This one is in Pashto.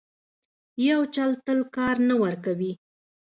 یو چل تل کار نه ورکوي.